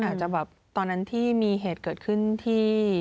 อาจจะแบบตอนนั้นที่มีเหตุเกิดขึ้นที่